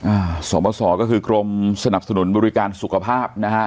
อ่าสมสอก็คือกรมสนับสนุนบริการสุขภาพนะฮะ